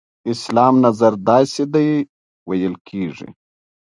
اسلام نظر داسې دی ویل کېږي.